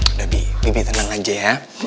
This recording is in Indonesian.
udah bi bibi tenang aja ya